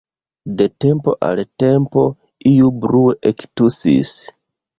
De tempo al tempo iu brue ektusis.